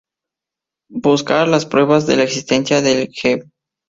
Buscar las pruebas de la existencia del G.·.